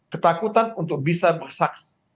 ketakutan untuk bisa masak